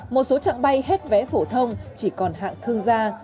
một số trạng bay hết vé phổ thông chỉ còn hạng thương gia